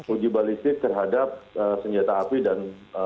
uji balistik terhadap senjata api dan